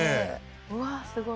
うわすごい。